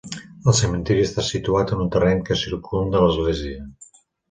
El cementiri està situat en un terreny que circumda l'església.